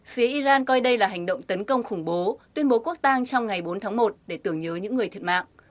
phía iran coi đây là hành động tấn công khủng bố tuyên bố quốc tang trong ngày bốn tháng một để tưởng nhớ những người thiệt mạng